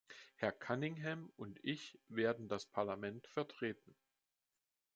Herr Cunningham und ich werden das Parlament vertreten.